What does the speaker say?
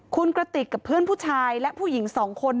คุณกระติกกับเพื่อนผู้ชายและผู้หญิงสองคน